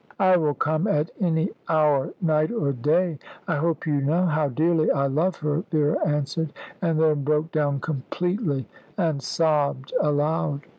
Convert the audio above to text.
"I will come at any hour, night or day. I hope you know how dearly I love her," Vera answered, and then broke down completely and sobbed aloud.